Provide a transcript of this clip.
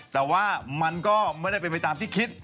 แต่ว่ามันก็ไม่ได้เป็นไปตามที่คิด